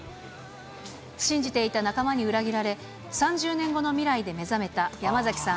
信じていた仲間に裏切られ、３０年後の未来で目覚めた山崎さん